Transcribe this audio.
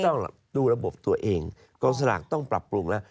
ต้องดูระบบตัวเองกองสลากต้องปรับปรุงแล้ว